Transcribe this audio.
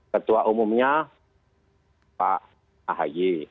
ketua umumnya pak ahy